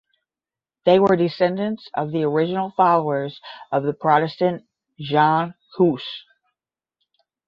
They were descendants of the original followers of the Protestant Jan Hus.